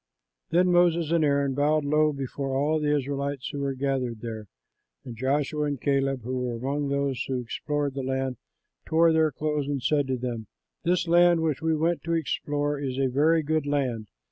Then Moses and Aaron bowed low before all the Israelites who were gathered there, and Joshua and Caleb, who were among those who explored the land, tore their clothes and said to them, "The land which we went to explore is a very good land.